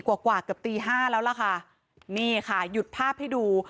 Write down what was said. กว่ากว่าเกือบตีห้าแล้วล่ะค่ะนี่ค่ะหยุดภาพให้ดู